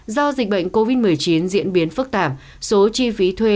do dịch bệnh covid một mươi chín diễn biến phức tạp số chi phí thuê